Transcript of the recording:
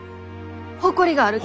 誇りがあるき。